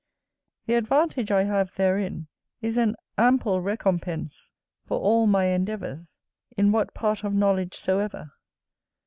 The advantage I have therein, is an ample recompense for all my endeavours, in what part of knowledge soever.